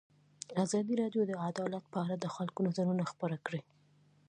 ازادي راډیو د عدالت په اړه د خلکو نظرونه خپاره کړي.